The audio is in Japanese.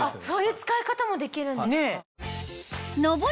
そういう使い方もできるんですか。